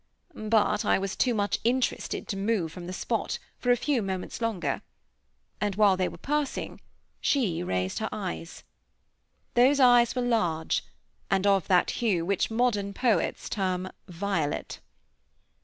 But I was too much interested to move from the spot, for a few moments longer; and while they were passing, she raised her eyes. Those eyes were large, and of that hue which modern poets term "violet."